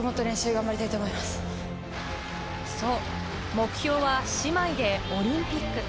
目標は姉妹でオリンピック。